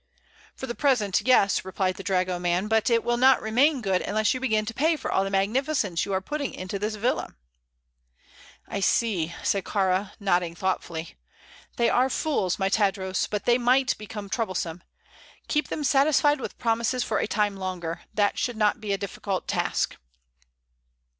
"For the present, yes," replied the dragoman; "but it will not remain good unless you begin to pay for all the magnificence you are putting into this villa." "I see," said Kāra, nodding thoughtfully. "They are fools, my Tadros, but they might become troublesome. Keep them satisfied with promises for a time longer. That should not be a difficult task."